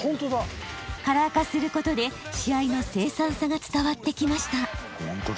カラー化することで試合の凄惨さが伝わってきました。